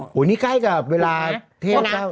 โอ้โหนี่ใกล้กับเวลาเทพเจ้า